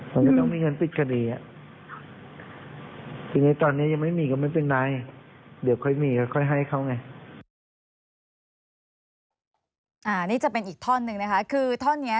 มันก็ต้องมีเงินปิดคดี